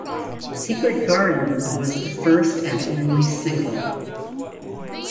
"Secret Garden" was the first and only single.